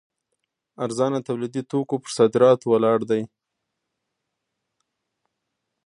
ارزانه تولیدي توکو پر صادراتو ولاړ دی.